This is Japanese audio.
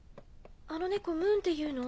あのネコムーンっていうの？